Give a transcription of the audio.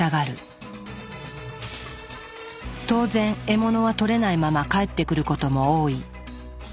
当然獲物はとれないまま帰ってくることも多い。